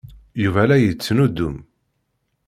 Yuba la yettnuddum.